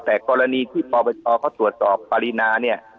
แต่กรณีที่ปปชเขาตรวจสอบปรินาเนี่ย